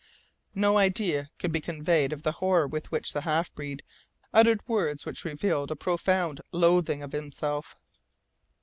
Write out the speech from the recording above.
No idea could be conveyed of the horror with which the half breed uttered words which revealed a profound loathing of himself.